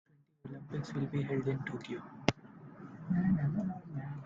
The twenty-twenty Olympics will be held in Tokyo.